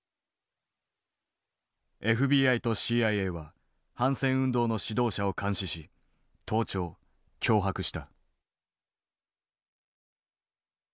ＦＢＩとＣＩＡは反戦運動の指導者を監視し盗聴脅迫した。